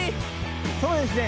そうですね。